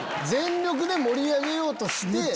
全力で盛り上げようとして。